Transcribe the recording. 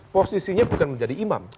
posisinya bukan menjadi imam